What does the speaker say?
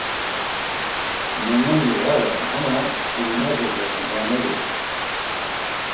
Nenoni va ren ama mşkurinace do mgvaneri ren.